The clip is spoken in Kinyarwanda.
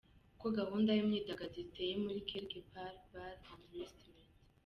Uko gahunda y’imyidagaduro iteye muri Quelque part bar and Restaurant.